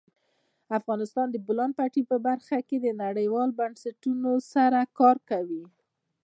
افغانستان د د بولان پټي په برخه کې نړیوالو بنسټونو سره کار کوي.